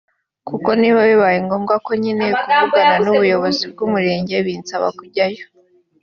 kuko niba bibayengombwa ko nkeneye kuvugana n’ubuyobozi bw’Umurenge binsaba kujyayo